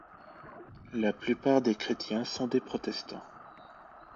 La plupart des chrétiens sont des protestants.